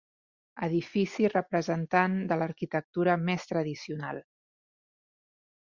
Edifici representant de l'arquitectura més tradicional.